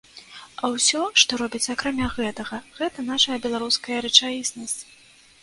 А ўсё, што робіцца акрамя гэтага, гэта наша беларуская рэчаіснасць.